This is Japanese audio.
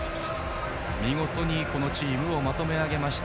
見事にこのチームをまとめ上げました。